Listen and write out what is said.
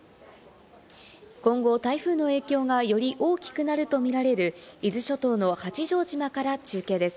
今後台風の影響がより大きくなるとみられる伊豆諸島の八丈島から中継です。